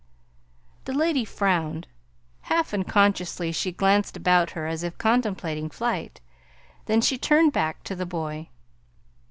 The lady frowned. Half unconsciously she glanced about her as if contemplating flight. Then she turned back to the boy.